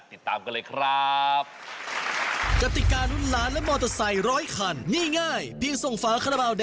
ติดตามกันเลยครับ